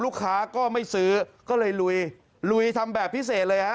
ลูกค้าก็ไม่ซื้อก็เลยลุยลุยทำแบบพิเศษเลยฮะ